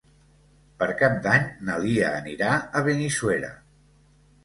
Per Cap d'Any na Lia anirà a Benissuera.